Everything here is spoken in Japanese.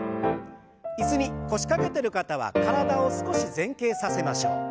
椅子に腰掛けてる方は体を少し前傾させましょう。